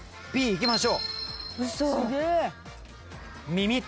Ｂいきましょう！